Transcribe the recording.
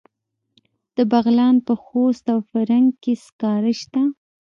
د بغلان په خوست او فرنګ کې سکاره شته.